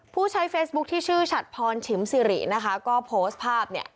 ผู้ใช้เฟซบุ๊คที่ชื่อฉัดพรฉิมสิรินะคะก็โพสต์ภาพเนี่ย